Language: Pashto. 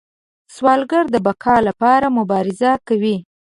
سوالګر د بقا لپاره مبارزه کوي